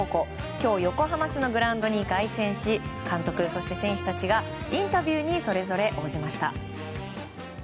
今日横浜市のグラウンドに凱旋し監督、そして選手たちがインタビューにそれぞれ応じました。